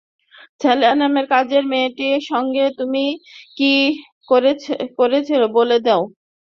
সালেহা নামের কাজের মেয়েটির সঙ্গে তুই কী করেছিস, বলে দেব?